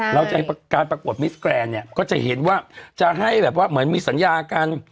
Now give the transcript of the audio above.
เราจะการประกวดมิสแกรนด์เนี่ยก็จะเห็นว่าจะให้แบบว่าเหมือนมีสัญญากัน